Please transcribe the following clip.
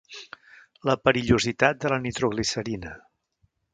La perillositat de la nitroglicerina.